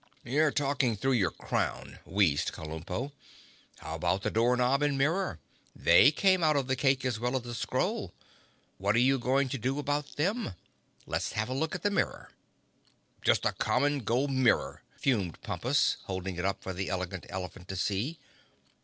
"You're talking through your crown," wheezed Kabumpo. "How about the door knob and mirror? They came out of the cake as well as the scroll. What are you going to do about them? Let's have a look at that mirror." "Just a common gold mirror," fumed Pompus, holding it up for the Elegant Elephant to see.